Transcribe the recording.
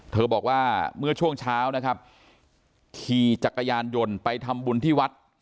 บอกว่าเมื่อช่วงเช้านะครับขี่จักรยานยนต์ไปทำบุญที่วัด